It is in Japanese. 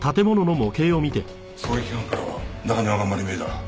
狙撃犯からは中庭が丸見えだ。